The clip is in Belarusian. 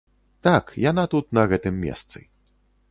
Так, яна тут на гэтым месцы.